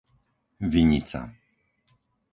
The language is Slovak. Vinica